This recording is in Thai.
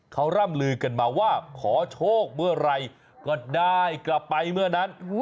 เขาร่ำลือกันมาว่าขอโชคเมื่อไหร่ก็ได้กลับไปเมื่อนั้น